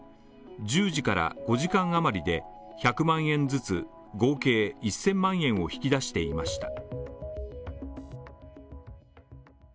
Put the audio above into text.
１０時から５時間余りで１００万円ずつ、合計１０００万円を引き出していました。